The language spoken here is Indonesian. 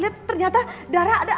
lihat ternyata darah ada